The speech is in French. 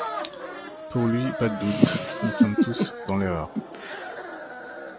Pour lui, pas de doute, nous sommes tous dans l'erreur.